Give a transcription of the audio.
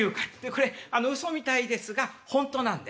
これうそみたいですが本当なんです。